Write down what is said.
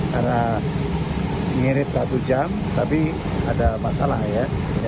karena mirip satu jam tapi ada masalah ya